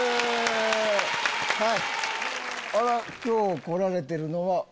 今日来られてるのは。